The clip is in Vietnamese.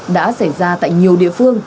đã xảy ra tại nhiều địa phương